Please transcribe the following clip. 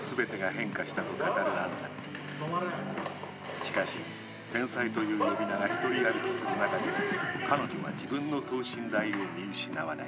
しかし天才という呼び名が１人歩きするなかでも彼女は自分の等身大を見失わない。